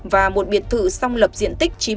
và một biệt thự song lập diện tích chín mươi sáu sáu m hai